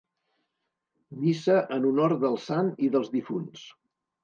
Missa en honor del Sant i dels difunts.